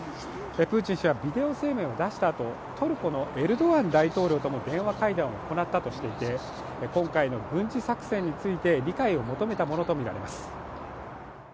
プーチン氏はビデオ声明を出したあとトルコのエルドアン大統領とも電話会談を行ったとしていて、今回の軍事作戦について理解を求めたものとみられます。